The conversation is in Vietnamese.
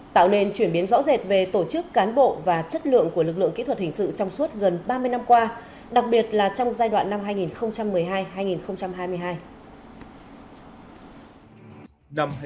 tạo nên chuyển biến rõ rệt về tổ chức cán bộ và chất lượng của lực lượng kỹ thuật hình sự trong suốt gần ba mươi năm qua đặc biệt là trong giai đoạn năm hai nghìn một mươi hai hai nghìn hai mươi hai